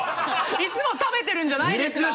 いつも食べてるんじゃないんですか？